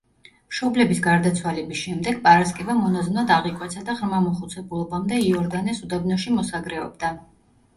მშობლების გარდაცვალების შემდეგ პარასკევა მონაზვნად აღიკვეცა და ღრმა მოხუცებულობამდე იორდანეს უდაბნოში მოსაგრეობდა.